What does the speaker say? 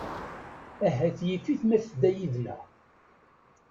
Ahat yif-it ma tedda yid-nneɣ.